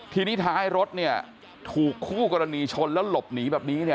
ทีนี้ท้ายรถเนี่ยถูกคู่กรณีชนแล้วหลบหนีแบบนี้เนี่ย